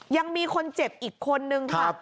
ยังมีคนเจ็บอีกคนนึงค่ะ